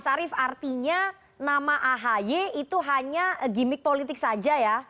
mas arief artinya nama ahy itu hanya gimmick politik saja ya